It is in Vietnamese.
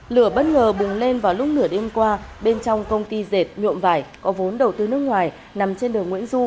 lửa bất ngờ bùng lên vào lúc nửa đêm qua bên trong công ty dệt nhuộm vải có vốn đầu tư nước ngoài nằm trên đường nguyễn du